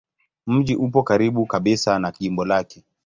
Mji upo karibu kabisa na jimbo lake.